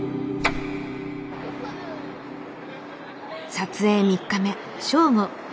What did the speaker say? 撮影３日目。